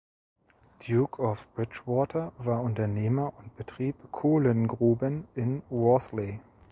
Duke of Bridgewater war Unternehmer und betrieb Kohlengruben in Worsley.